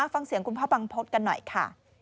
ฟังเสียงคุณพ่อบรรพบกันหน่อยค่ะ